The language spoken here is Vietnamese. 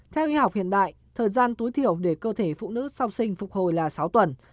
theo y học hiện đại thời gian tối thiểu để cơ thể phụ nữ sau sinh phục hồi là sáu tuần